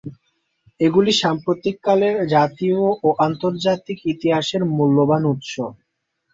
এগুলি সাম্প্রতিক কালের জাতীয় ও আন্তর্জাতিক ইতিহাসের মূল্যবান উৎস।